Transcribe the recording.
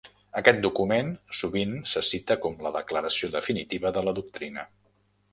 Aquest document sovint se cita com la declaració definitiva de la doctrina.